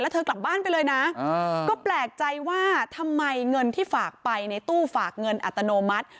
เธอกลับบ้านไปเลยนะก็แปลกใจว่าทำไมเงินที่ฝากไปในตู้ฝากเงินอัตโนมัติ